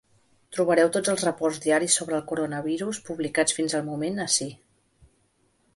Trobareu tots els reports diaris sobre el coronavirus publicats fins al moment, ací.